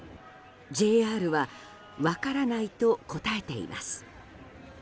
ＪＲは分からないと答えています。